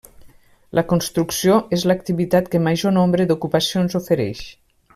La construcció és l'activitat que major nombre d'ocupacions oferix.